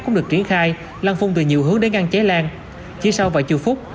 cũng được triển khai lan phun từ nhiều hướng đến ngăn cháy lan chỉ sau vài chư phút